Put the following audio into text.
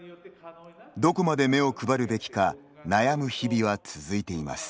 どこまで目を配るべきか悩む日々は続いています。